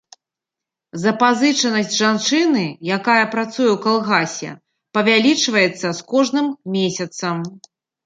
Запазычанасць жанчыны, якая працуе ў калгасе, павялічваецца з кожным месяцам.